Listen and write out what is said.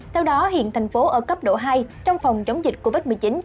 theo đó hiện thành phố ở cấp độ hai trong phòng chống dịch covid một mươi chín